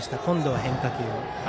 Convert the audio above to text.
今度は変化球。